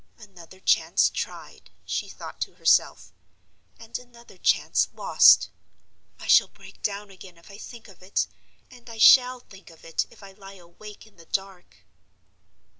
"Another chance tried," she thought to herself, "and another chance lost! I shall break down again if I think of it; and I shall think of it if I lie awake in the dark."